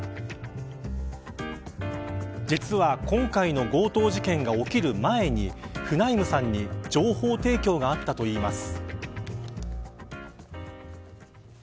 実は、今回の強盗事件が起きる前にフナイムさんに情報提供があったといいます。